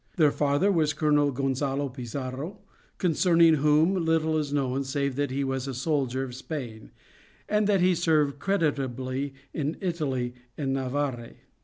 Their father was Colonel Gonzalo Pizarro, concerning whom little is known, save that he was a soldier of Spain, and that he served creditably in Italy and Navarre.